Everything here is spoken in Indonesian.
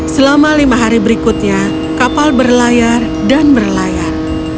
selama lima hari berikutnya kapal berlayar dan berlayar